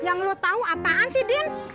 yang lo tahu apaan sih din